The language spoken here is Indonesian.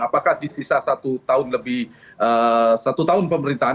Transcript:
apakah di sisa satu tahun lebih satu tahun pemerintahan